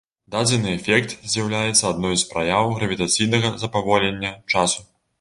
Дадзены эфект з'яўляецца адной з праяў гравітацыйнага запаволення часу.